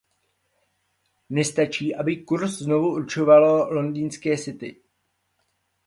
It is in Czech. Nestačí, aby kurs znovu určovalo londýnské City.